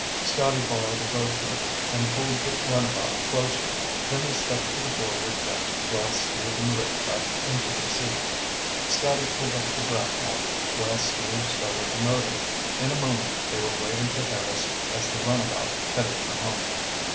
Scotty borrowed a boat hook and pulled the runabout closer, then he stepped to the forward deck while Steve and Rick got into the seat. Scotty pulled up the grapnel while Steve started the motor. In a moment they were waving to Harris as the runabout headed for home.